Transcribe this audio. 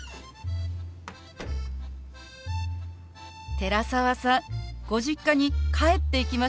寺澤さんご実家に帰っていきましたね。